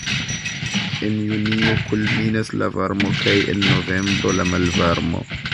En junio kulminas la varmo kaj en novembro la malvarmo.